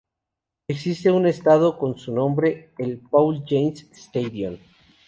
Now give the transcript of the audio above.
Existe un estadio con su nombre, el Paul-Janes-Stadion.